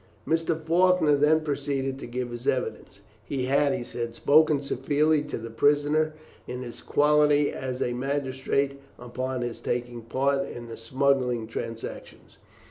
Mr. Faulkner then proceeded to give his evidence. "He had," he said, "spoken severely to the prisoner in his quality as a magistrate, upon his taking part in smuggling transactions.